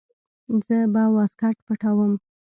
زه به واسکټ پټاووم.